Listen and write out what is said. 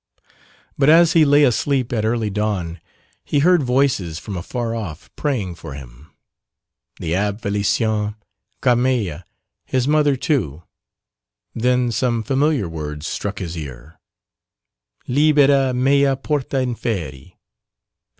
But as he lay asleep at early dawn he heard voices from afar off praying for him the Abbé Félicien, Carmeille, his mother too, then some familiar words struck his ear: "Libera mea porta inferi."